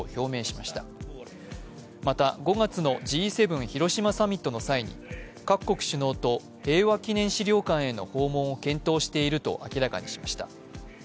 また５月のＧ７広島サミットの際に各国首脳と平和記念資料館への訪問を検討していると明らかにしました。